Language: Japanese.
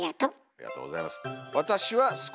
ありがとうございます。